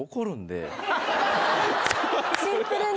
シンプルに？